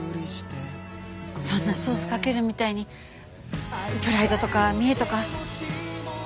そんなソースかけるみたいにプライドとか見えとか。